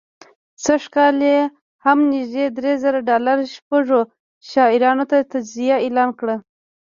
سږ کال یې هم نژدې درې زره ډالره شپږو شاعرانو ته جایزه اعلان کړه